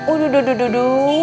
uduh duduh duduh